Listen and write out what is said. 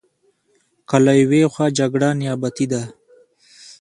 که له یوې خوا جګړه نیابتي ده.